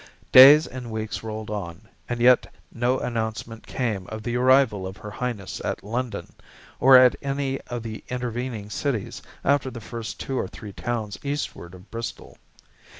Days and weeks rolled on, and yet no announcement came of the arrival of her Highness at London or at any of the intervening cities after the first two or three towns eastward of Bristol.